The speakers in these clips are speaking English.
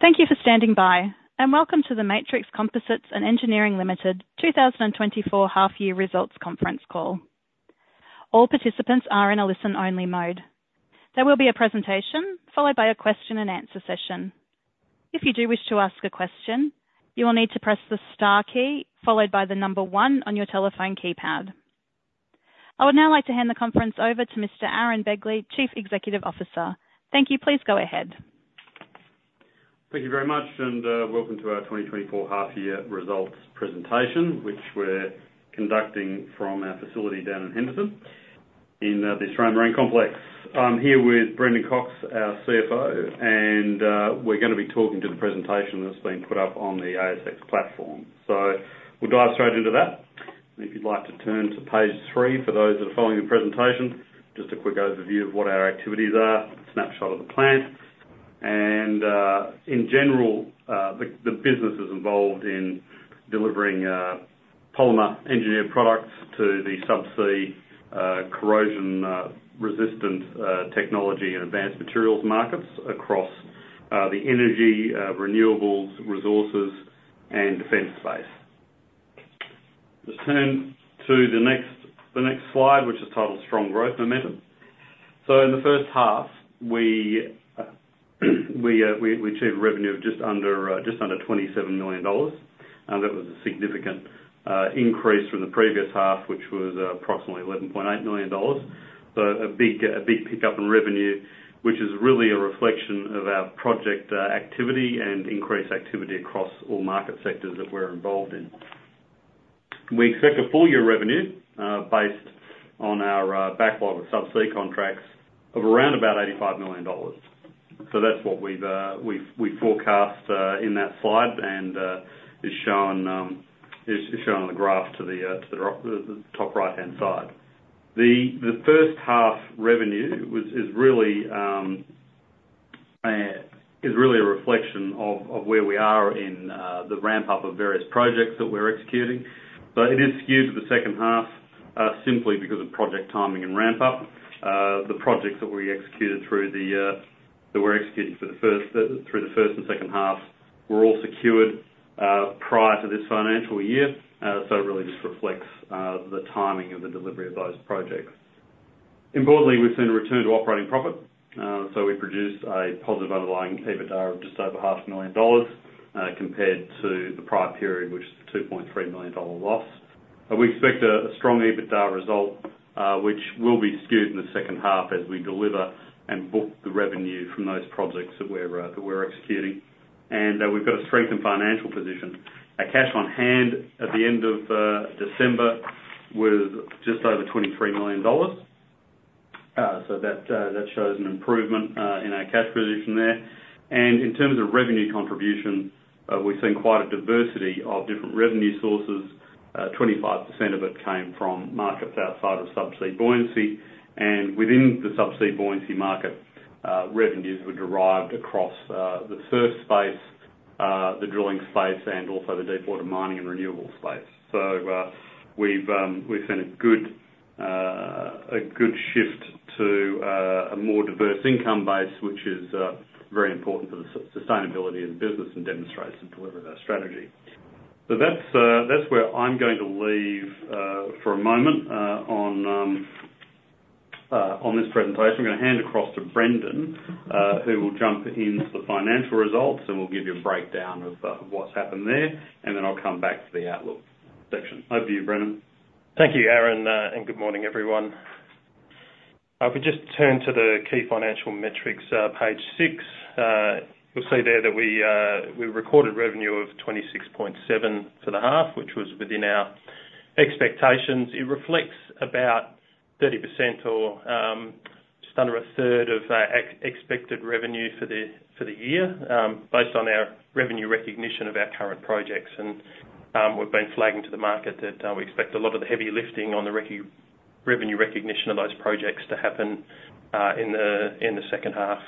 Thank you for standing by, and welcome to the Matrix Composites & Engineering Ltd 2024 half year results conference call. All participants are in a listen-only mode. There will be a presentation followed by a question and answer session. If you do wish to ask a question, you will need to press the star key followed by the number one on your telephone keypad. I would now like to hand the conference over to Mr. Aaron Begley, Chief Executive Officer. Thank you. Please go ahead. Thank you very much. Welcome to our 2024 half-year results presentation, which we're conducting from our facility down in Henderson in the Australian Marine Complex. I'm here with Brendan Cocks, our CFO, and we're gonna be talking to the presentation that's been put up on the ASX platform. We'll dive straight into that. If you'd like to turn to page three, for those that are following the presentation, just a quick overview of what our activities are, snapshot of the plant. In general, the business is involved in delivering polymer engineered products to the subsea corrosion-resistant technology and advanced materials markets across the energy, renewables, resources, and defense space. Let's turn to the next slide, which is titled Strong Growth Momentum. In the first half, we achieved revenue of just under 27 million dollars. That was a significant increase from the previous half, which was approximately 11.8 million dollars. A big pick-up in revenue, which is really a reflection of our project activity and increased activity across all market sectors that we're involved in. We expect a full-year revenue, based on our backlog of subsea contracts of around 85 million dollars. That's what we forecast in that slide and is shown on the graph to the top right-hand side. The first half revenue is really a reflection of where we are in the ramp-up of various projects that we're executing. It is skewed to the second half, simply because of project timing and ramp-up. The projects that we're executing through the first and second half were all secured prior to this financial year. It really just reflects the timing of the delivery of those projects. Importantly, we've seen a return to operating profit. We produced a positive underlying EBITDA of just over 500,000 dollars, compared to the prior period, which was a 2.3 million dollar loss. We expect a strong EBITDA result, which will be skewed in the second half as we deliver and book the revenue from those projects that we're executing. We've got a strengthened financial position. Our cash on hand at the end of December was just over 23 million dollars. That shows an improvement in our cash position there. In terms of revenue contribution, we've seen quite a diversity of different revenue sources. 25% of it came from markets outside of subsea buoyancy. Within the subsea buoyancy market, revenues were derived across the SURF space, the drilling space, and also the deepwater mining and renewable space. We've seen a good shift to a more diverse income base, which is very important for the sustainability of the business and demonstrates the delivery of our strategy. That's where I'm going to leave for a moment on this presentation. I'm gonna hand across to Brendan, who will jump into the financial results and will give you a breakdown of what's happened there, and then I'll come back for the outlook section. Over to you, Brendan. Thank you, Aaron. Good morning, everyone. If we just turn to the key financial metrics, page six, you'll see there that we recorded revenue of 26.7 million for the half, which was within our expectations. It reflects about 30% or just under a third of expected revenue for the year, based on our revenue recognition of our current projects. We've been flagging to the market that we expect a lot of the heavy lifting on the revenue recognition of those projects to happen in the second half,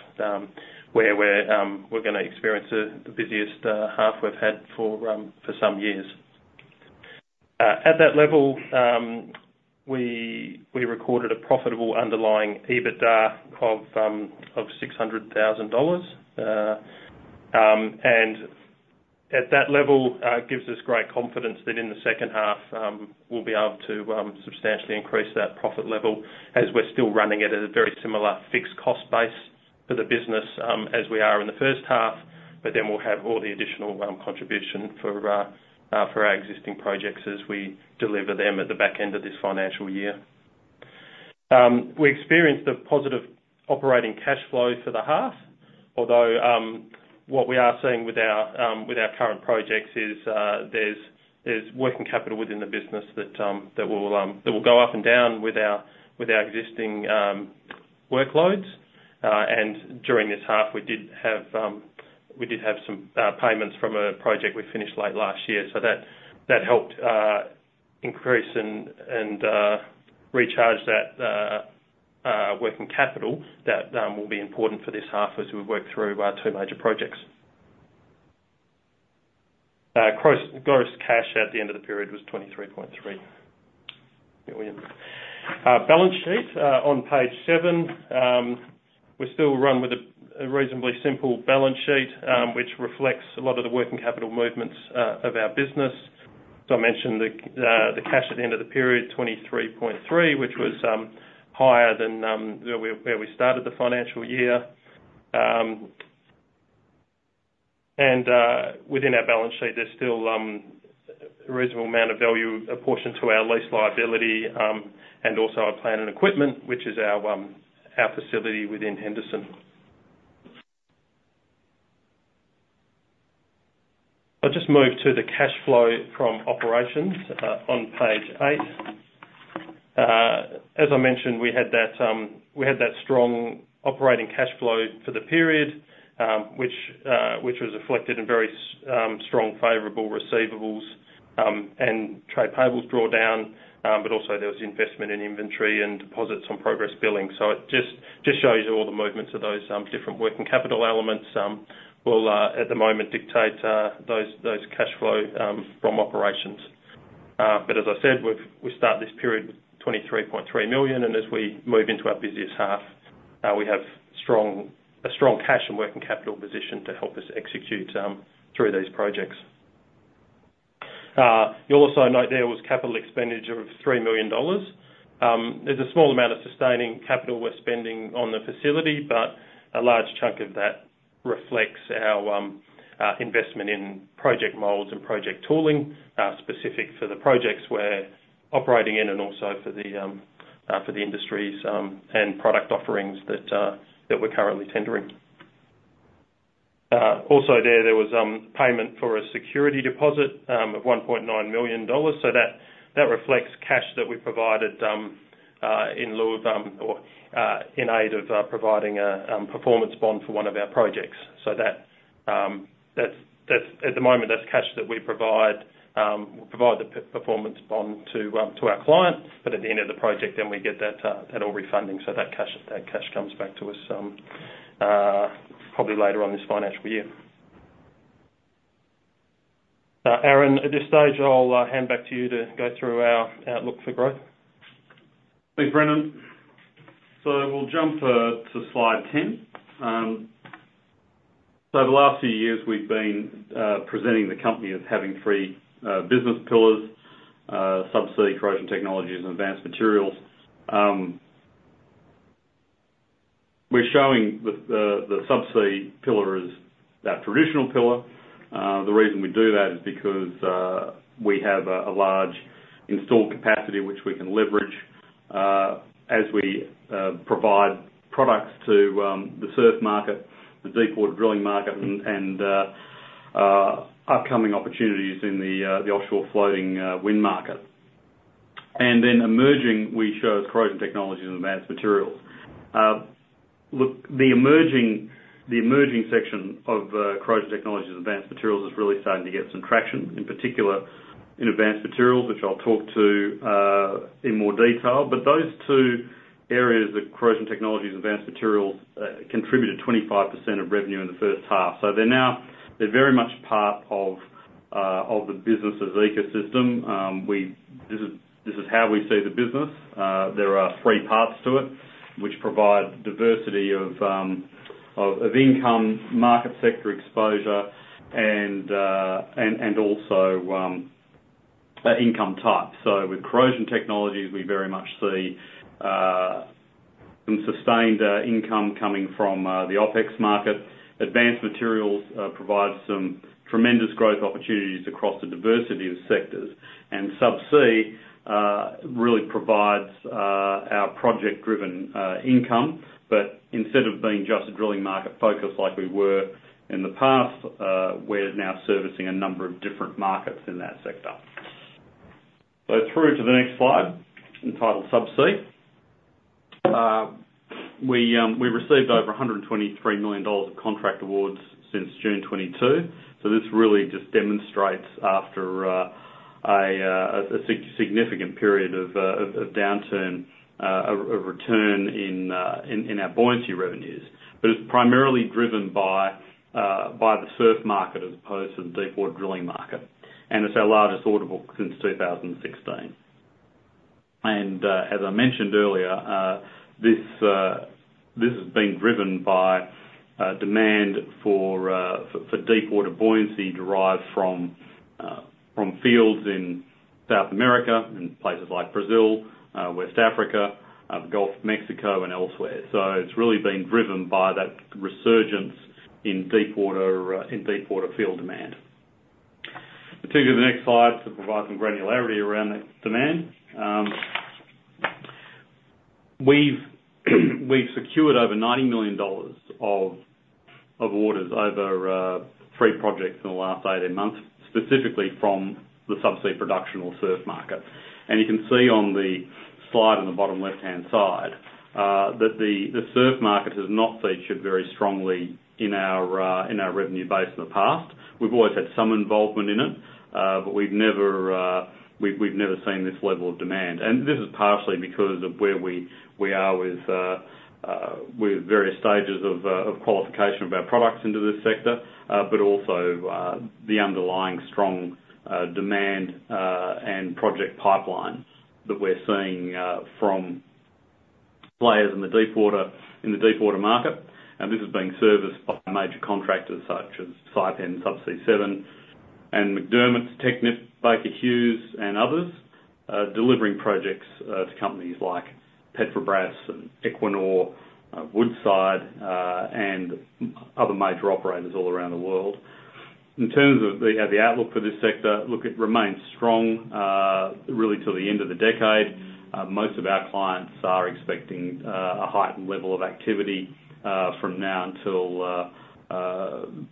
where we're gonna experience the busiest half we've had for some years. At that level, we recorded a profitable underlying EBITDA of AUD 600,000. At that level, it gives us great confidence that in the second half, we'll be able to substantially increase that profit level as we're still running it at a very similar fixed cost base for the business as we are in the first half, but then we'll have all the additional contribution for our existing projects as we deliver them at the back end of this financial year. We experienced a positive operating cash flow for the half, although what we are seeing with our current projects is there's working capital within the business that will go up and down with our existing workloads. During this half, we did have some payments from a project we finished late last year. That helped increase and recharge that working capital that will be important for this half as we work through our two major projects. Gross cash at the end of the period was 23.3 million. Balance sheet on page seven. We still run with a reasonably simple balance sheet, which reflects a lot of the working capital movements of our business. I mentioned the cash at the end of the period, 23.3 million, which was higher than where we started the financial year. Within our balance sheet, there's still a reasonable amount of value apportioned to our lease liability, and also our plant and equipment, which is our facility within Henderson. I'll just move to the cash flow from operations on page eight. As I mentioned, we had that strong operating cash flow for the period, which was reflected in very strong favorable receivables and trade payables draw down. Also there was the investment in inventory and deposits on progress billing. It just shows you all the movements of those different working capital elements will, at the moment, dictate those cash flow from operations. As I said, we start this period with 23.3 million, and as we move into our busiest half, we have a strong cash and working capital position to help us execute through these projects. You'll also note there was capital expenditure of 3 million dollars. There's a small amount of sustaining capital we're spending on the facility, but a large chunk of that reflects our investment in project molds and project tooling, specific for the projects we're operating in and also for the industries and product offerings that we're currently tendering. Also there was payment for a security deposit of 1.9 million dollars. That reflects cash that we provided in aid of providing a performance bond for one of our projects. At the moment, that's cash that we provide the performance bond to our client. At the end of the project, then we get that all refunded. That cash comes back to us probably later on this financial year. Aaron, at this stage, I'll hand back to you to go through our outlook for growth. Thanks, Brendan. We'll jump to slide 10. The last few years we've been presenting the company as having three business pillars: subsea, corrosion technologies, and advanced materials. We're showing the subsea pillar as that traditional pillar. The reason we do that is because we have a large installed capacity which we can leverage as we provide products to the SURF market, the deepwater drilling market, and upcoming opportunities in the offshore floating wind market. Then emerging, we show as corrosion technologies and advanced materials. Look, the emerging section of corrosion technologies and advanced materials is really starting to get some traction, in particular in advanced materials, which I'll talk to in more detail. Those two areas, the corrosion technologies, advanced materials, contributed 25% of revenue in the first half. They're very much part of the business's ecosystem. This is how we see the business. There are three parts to it which provide diversity of income, market sector exposure, and also income type. With corrosion technologies, we very much see some sustained income coming from the OpEx market. Advanced materials provides some tremendous growth opportunities across the diversity of sectors. Subsea really provides our project-driven income. Instead of being just a drilling market focus like we were in the past, we're now servicing a number of different markets in that sector. Go through to the next slide, entitled Subsea. We received over 123 million dollars of contract awards since June 2022. This really just demonstrates after a significant period of downturn, a return in our buoyancy revenues. It's primarily driven by the SURF market as opposed to the deepwater drilling market. It's our largest order book since 2016. As I mentioned earlier, this has been driven by demand for deepwater buoyancy derived from fields in South America and places like Brazil, West Africa, Gulf of Mexico, and elsewhere. It's really been driven by that resurgence in deepwater field demand. Particularly the next slide to provide some granularity around that demand. We've secured over 90 million dollars of orders over three projects in the last 18 months, specifically from the subsea production or SURF market. You can see on the slide on the bottom left-hand side, that the SURF market has not featured very strongly in our revenue base in the past. We've always had some involvement in it. We've never seen this level of demand. This is partially because of where we are with various stages of qualification of our products into this sector, but also the underlying strong demand and project pipelines that we're seeing from players in the deepwater market. This is being serviced by major contractors such as Saipem, Subsea 7, and McDermott, Technip, Baker Hughes, and others, delivering projects to companies like Petrobras and Equinor, Woodside, and other major operators all around the world. In terms of the outlook for this sector, look, it remains strong really till the end of the decade. Most of our clients are expecting a heightened level of activity from now until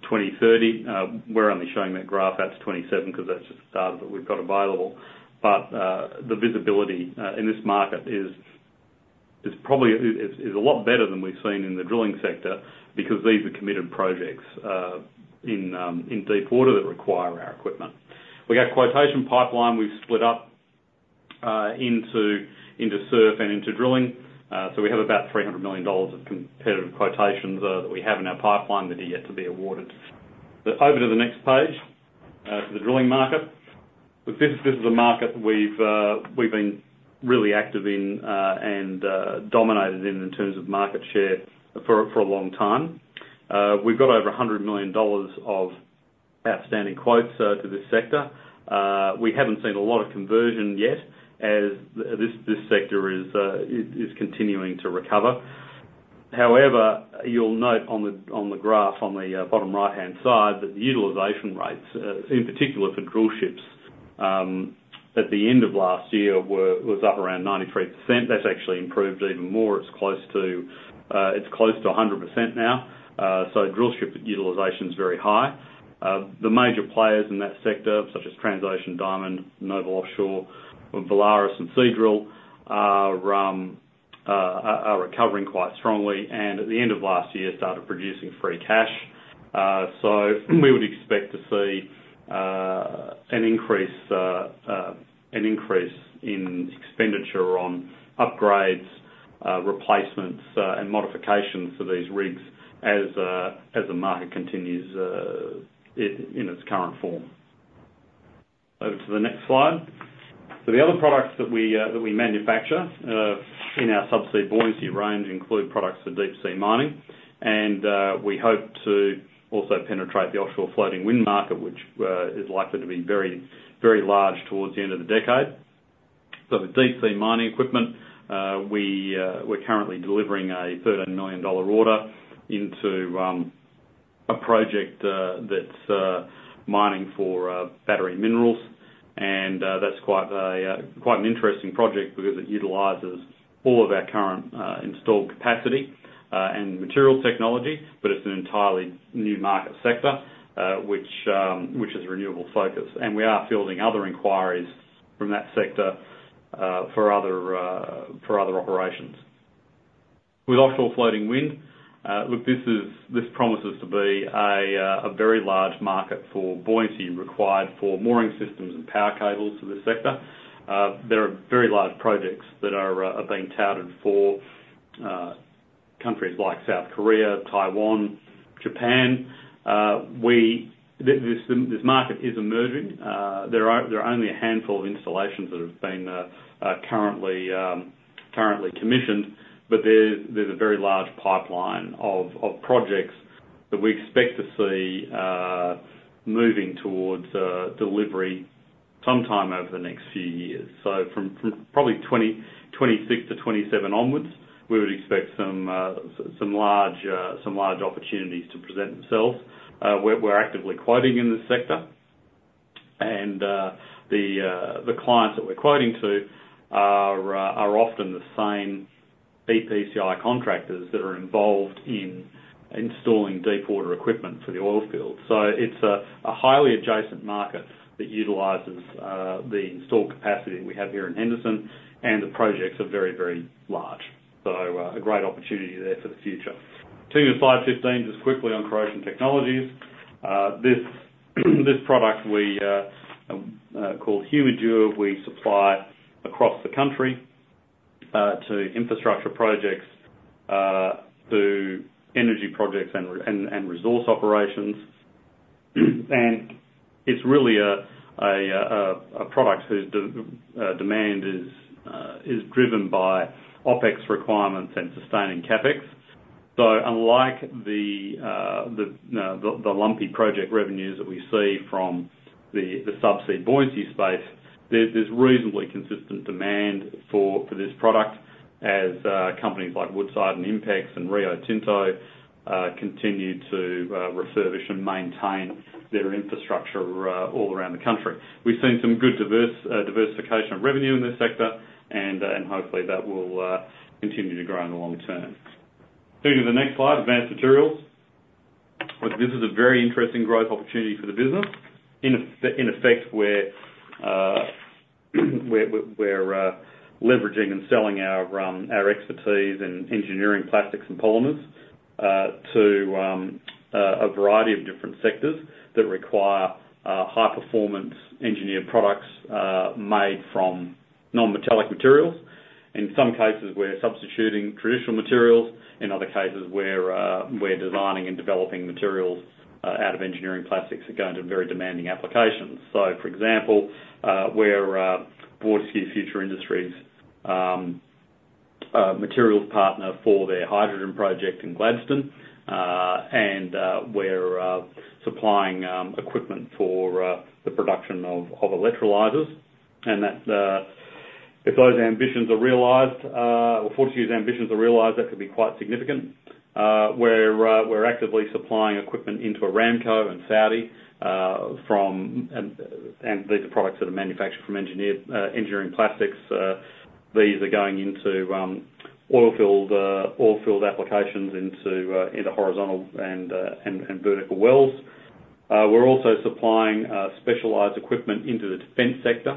2030. We're only showing that graph out to 2027 because that's just the data that we've got available. The visibility in this market is a lot better than we've seen in the drilling sector because these are committed projects in deepwater that require our equipment. We've got quotation pipeline we've split up into SURF and into drilling. We have about 300 million dollars of competitive quotations that we have in our pipeline that are yet to be awarded. Over to the next page, for the drilling market. This is a market that we've been really active in and dominated in in terms of market share for a long time. We've got over 100 million dollars of outstanding quotes to this sector. We haven't seen a lot of conversion yet as this sector is continuing to recover. However, you'll note on the graph on the bottom right-hand side that the utilization rates, in particular for drill ships, at the end of last year was up around 93%. That's actually improved even more. It's close to 100% now. Drillship utilization's very high. The major players in that sector, such as Transocean, Diamond, Noble Corporation, Valaris, and Seadrill, are recovering quite strongly, and at the end of last year, started producing free cash. We would expect to see an increase in expenditure on upgrades, replacements, and modifications for these rigs as the market continues in its current form. Over to the next slide. The other products that we manufacture in our subsea buoyancy range include products for deep-sea mining. We hope to also penetrate the offshore floating wind market, which is likely to be very large towards the end of the decade. For deep-sea mining equipment, we're currently delivering a 13 million dollar order into a project that's mining for battery minerals. That's quite an interesting project because it utilizes all of our current installed capacity and materials technology, but it's an entirely new market sector, which is renewable-focused. We are fielding other inquiries from that sector for other operations. With offshore floating wind, look, this promises to be a very large market for buoyancy required for mooring systems and power cables for this sector. There are very large projects that are being touted for countries like South Korea, Taiwan, Japan. This market is emerging. There are only a handful of installations that have been currently commissioned, but there's a very large pipeline of projects that we expect to see moving towards delivery sometime over the next few years. From probably 2026 to 2027 onwards, we would expect some large opportunities to present themselves. We're actively quoting in this sector. The clients that we're quoting to are often the same EPCI contractors that are involved in installing deepwater equipment for the oil fields. It's a highly adjacent market that utilizes the installed capacity we have here in Henderson, and the projects are very large. A great opportunity there for the future. Turning to slide 15, just quickly on Corrosion Technologies. This product called Humidur, we supply across the country to infrastructure projects, to energy projects, and resource operations. It's really a product whose demand is driven by OpEx requirements and sustaining CapEx. Unlike the lumpy project revenues that we see from the subsea buoyancy space, there's reasonably consistent demand for this product as companies like Woodside and INPEX and Rio Tinto continue to refurbish and maintain their infrastructure all around the country. We've seen some good diversification of revenue in this sector, and hopefully that will continue to grow in the long term. Turning to the next slide, Advanced Materials. This is a very interesting growth opportunity for the business in effect we're leveraging and selling our expertise in engineering plastics and polymers to a variety of different sectors that require high-performance engineered products made from non-metallic materials. In some cases, we're substituting traditional materials. In other cases, we're designing and developing materials out of engineering plastics that go into very demanding applications. For example, we're Fortescue Future Industries' materials partner for their hydrogen project in Gladstone. We're supplying equipment for the production of electrolyzers. If those ambitions are realized, or Fortescue's ambitions are realized, that could be quite significant. We're actively supplying equipment into Aramco in Saudi, and these are products that are manufactured from engineering plastics. These are going into oil field applications into horizontal and vertical wells. We're also supplying specialized equipment into the defense sector,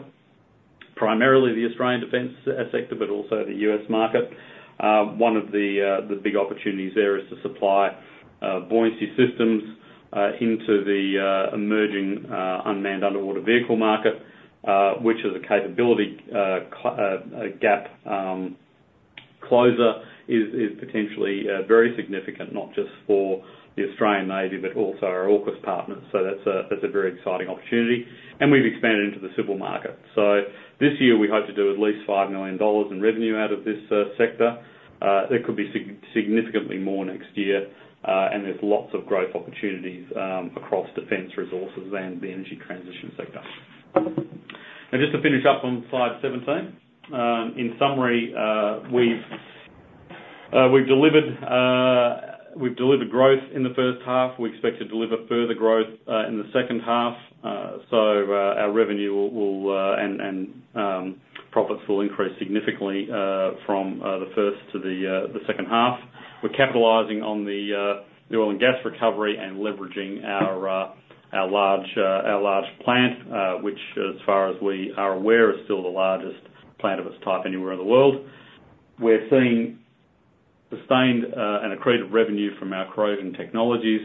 primarily the Australian defense sector, but also the U.S. market. One of the big opportunities there is to supply buoyancy systems into the emerging unmanned underwater vehicle market, which as a capability gap closer, is potentially very significant not just for the Australian Navy but also our AUKUS partners. That's a very exciting opportunity, and we've expanded into the civil market. This year we hope to do at least 5 million dollars in revenue out of this sector. It could be significantly more next year. There's lots of growth opportunities across defense resources and the energy transition sector. Now just to finish up on slide 17. In summary, we've delivered growth in the first half. We expect to deliver further growth in the second half. Our revenue and profits will increase significantly from the first to the second half. We're capitalizing on the oil and gas recovery and leveraging our large plant, which as far as we are aware, is still the largest plant of its type anywhere in the world. We're seeing sustained and accretive revenue from our corrosion technologies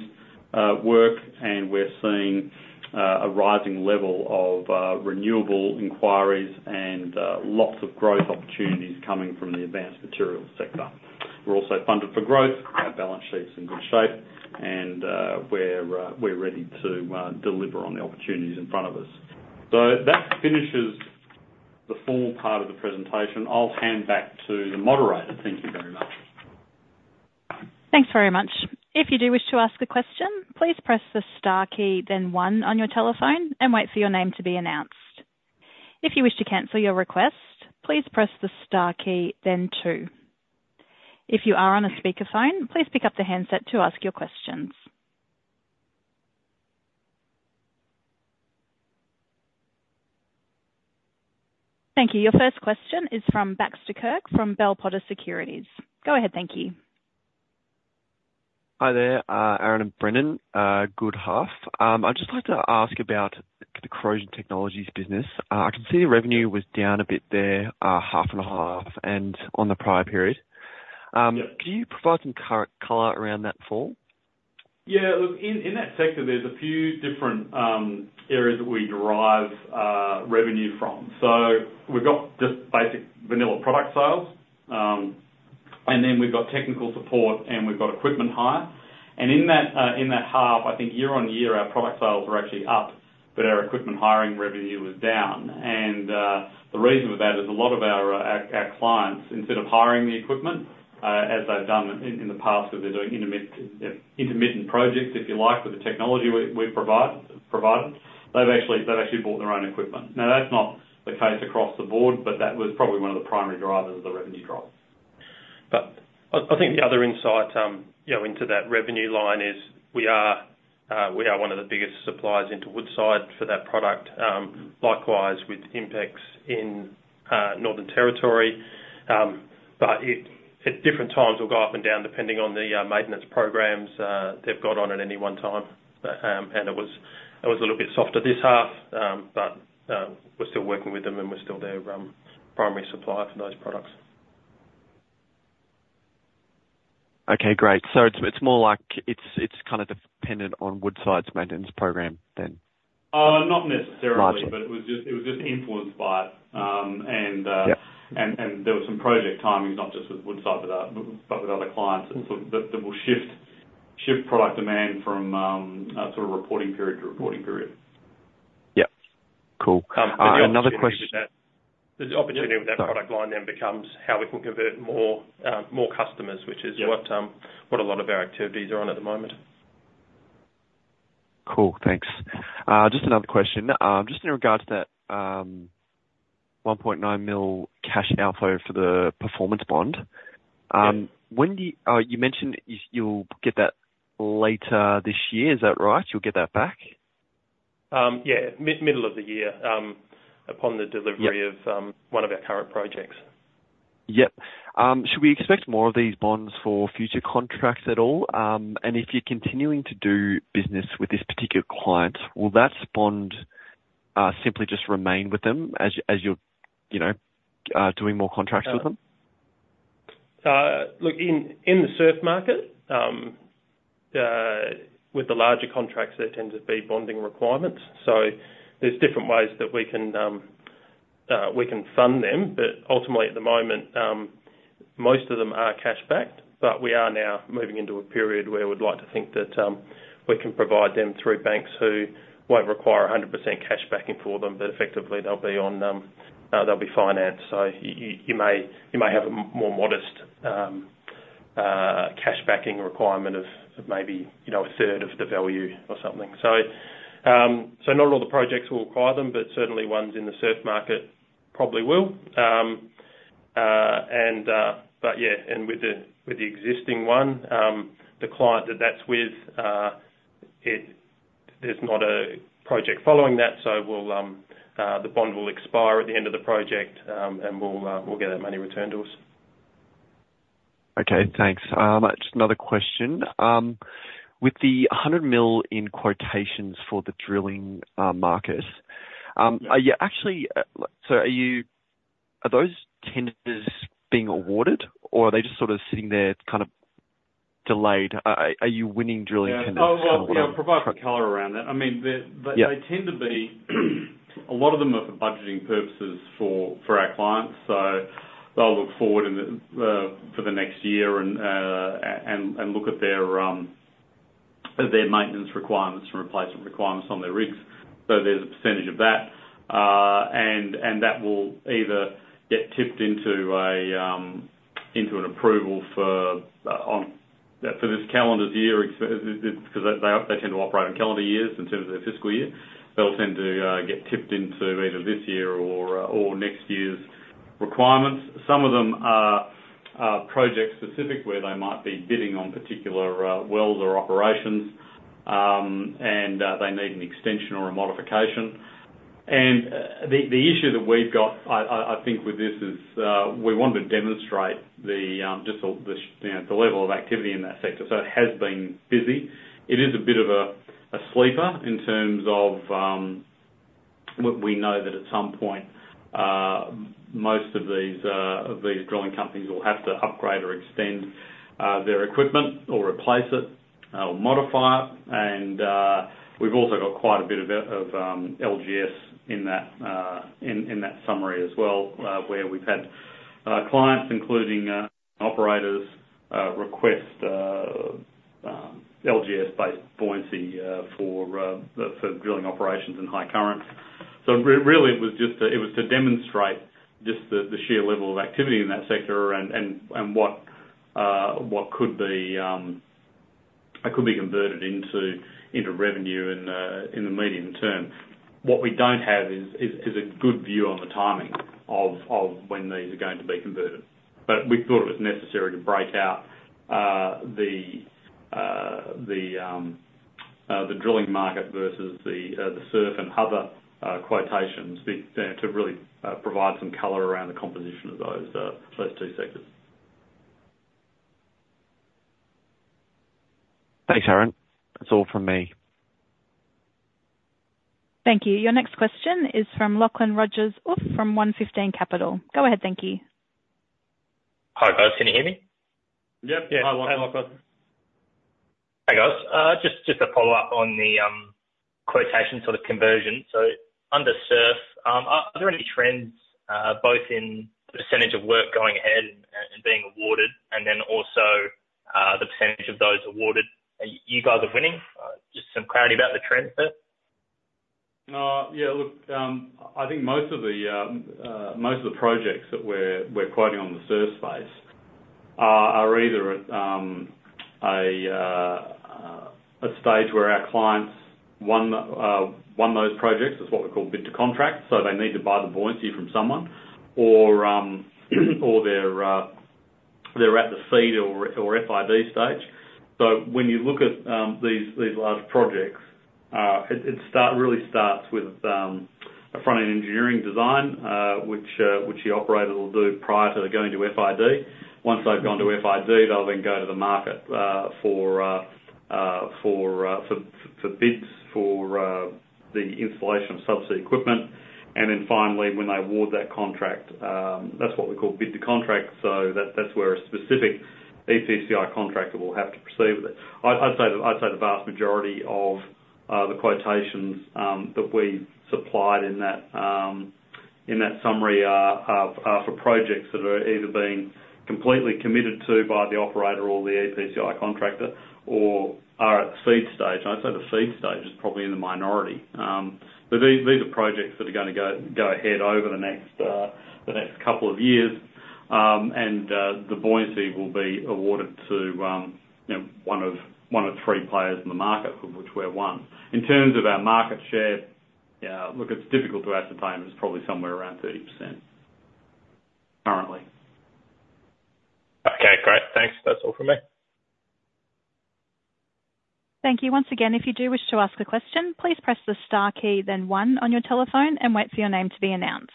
work, and we're seeing a rising level of renewable inquiries and lots of growth opportunities coming from the advanced materials sector. We're also funded for growth. Our balance sheet's in good shape, and we're ready to deliver on the opportunities in front of us. That finishes the formal part of the presentation. I'll hand back to the moderator. Thank you very much. Thanks very much. If you do wish to ask a question, please press the star key, then one on your telephone and wait for your name to be announced. If you wish to cancel your request, please press the star key, then two. If you are on a speakerphone, please pick up the handset to ask your questions. Thank you. Your first question is from Baxter Kirk from Bell Potter Securities. Go ahead. Thank you. Hi there, Aaron and Brendan. Good half. I'd just like to ask about the corrosion technologies business. I can see the revenue was down a bit there, half on half and on the prior period. Yeah. Can you provide some color around that fall? Yeah, look, in that sector, there's a few different areas that we derive revenue from. We've got just basic vanilla product sales, and then we've got technical support, and we've got equipment hire. In that half, I think year-on-year, our product sales were actually up, but our equipment hiring revenue was down. The reason for that is a lot of our clients, instead of hiring the equipment, as they've done in the past, because they're doing intermittent projects, if you like, with the technology we've provided, they've actually bought their own equipment. Now, that's not the case across the board, but that was probably one of the primary drivers of the revenue drop. I think the other insight into that revenue line is we are one of the biggest suppliers into Woodside for that product. Likewise with INPEX in Northern Territory. At different times it will go up and down depending on the maintenance programs they've got on at any one time. It was a little bit softer this half. We're still working with them, and we're still their primary supplier for those products. Okay, great. It's more like it's kind of dependent on Woodside's maintenance program, then? Not necessarily. Got you. It was just influenced by it. Yeah. There was some project timings, not just with Woodside, but with other clients that will shift product demand from reporting period to reporting period. Yeah. Cool. Another question. The opportunity with that product line then becomes how we can convert more customers. Yeah Which is what a lot of our activities are on at the moment. Cool. Thanks. Just another question. Just in regards to that 1.9 million cash outflow for the performance bond. Yeah. You mentioned you'll get that later this year. Is that right? You'll get that back. Yeah, middle of the year, upon the delivery... Yeah ...of one of our current projects. Yep. Should we expect more of these bonds for future contracts at all? If you're continuing to do business with this particular client, will that bond simply just remain with them as you're doing more contracts with them? Look, in the SURF market, with the larger contracts, there tend to be bonding requirements. There's different ways that we can fund them. Ultimately at the moment, most of them are cash backed. We are now moving into a period where we'd like to think that we can provide them through banks who won't require 100% cash backing for them, but effectively they'll be financed. You may have a more modest cash backing requirement of maybe a third of the value or something. Not all the projects will require them, but certainly ones in the SURF market probably will. Yeah, and with the existing one, the client that that's with, there's not a project following that so the bond will expire at the end of the project, and we'll get that money returned to us. Okay, thanks. Just another question. With the 100 million in quotations for the drilling market, are those tenders being awarded, or are they just sort of sitting there kind of delayed? Are you winning drilling tenders? Yeah. I'll provide some color around that. Yeah. A lot of them are for budgeting purposes for our clients. They'll look forward for the next year and look at their maintenance requirements and replacement requirements on their rigs. There's a percentage of that. That will either get tipped into an approval for this calendar year, because they tend to operate on calendar years in terms of their fiscal year. They'll tend to get tipped into either this year or next year's requirements. Some of them are project specific, where they might be bidding on particular wells or operations, and they need an extension or a modification. The issue that we've got, I think with this is, we want to demonstrate the level of activity in that sector. It has been busy. It is a bit of a sleeper in terms of, we know that at some point, most of these drilling companies will have to upgrade or extend their equipment or replace it or modify it. We've also got quite a bit of LGS in that summary as well, where we've had clients, including operators, request LGS based buoyancy for drilling operations in high current. Really, it was to demonstrate just the sheer level of activity in that sector and what could be converted into revenue in the medium term. What we don't have is a good view on the timing of when these are going to be converted. We thought it was necessary to break out the drilling market versus the SURF and other quotations to really provide some color around the composition of those two sectors. Thanks, Aaron. That's all from me. Thank you. Your next question is from Lachlan Rogers from One Fifteen Capital. Go ahead, thank you. Hi, guys. Can you hear me? Yep. Yeah. Hi, Lachlan. Hey, guys. Just a follow-up on the quotation sort of conversion. Under SURF, are there any trends, both in the percentage of work going ahead and being awarded and then also the percentage of those awarded you guys are winning? Just some clarity about the trends there. Yeah, look, I think most of the projects that we're quoting on the SURF space are either at a stage where our clients won those projects, it's what we call bid to contract, so they need to buy the buoyancy from someone, or they're at the FEED or FID stage. When you look at these large projects, it really starts with a Front-End Engineering Design, which the operator will do prior to going to FID. Once they've gone to FID, they'll then go to the market for bids for the installation of subsea equipment. Finally, when they award that contract, that's what we call bid to contract. That's where a specific EPCI contractor will have to proceed with it. I'd say the vast majority of the quotations that we supplied in that summary are for projects that are either being completely committed to by the operator or the EPCI contractor or are at the FEED stage. I'd say the FEED stage is probably in the minority. These are projects that are gonna go ahead over the next couple of years. The buoyancy will be awarded to one of three players in the market, of which we're one. In terms of our market share, look, it's difficult to ascertain, but it's probably somewhere around 30% currently. Okay, great. Thanks. That's all from me. Thank you. Once again, if you do wish to ask a question, please press the star key then one on your telephone and wait for your name to be announced.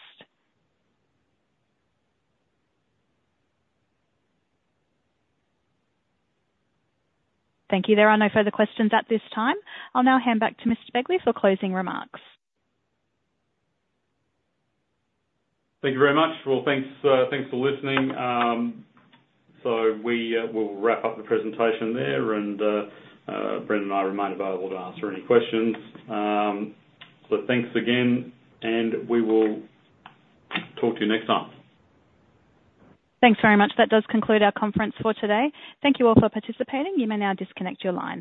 Thank you. There are no further questions at this time. I will now hand back to Mr. Begley for closing remarks. Thank you very much. Well, thanks for listening. We will wrap up the presentation there and Brendan and I remain available to answer any questions. Thanks again, and we will talk to you next time. Thanks very much. That does conclude our conference for today. Thank you all for participating. You may now disconnect your line.